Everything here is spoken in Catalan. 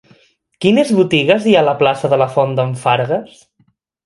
Quines botigues hi ha a la plaça de la Font d'en Fargues?